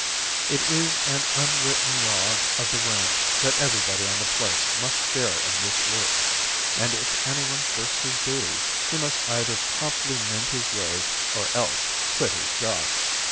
It is an unwritten law of the ranch that everybody on the place must share in this work and if anyone shirks his duty he must either promptly mend his ways or else quit his job.